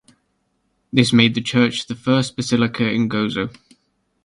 This made the church the first basilica in Gozo.